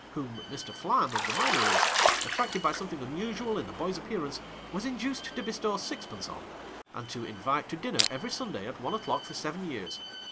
Whom Mr. Flam of the Minories — attracted by something unusual in the boy's appearance — was induced to bestow sixpence on, and to invite to dinner every Sunday at one o'clock for seven years.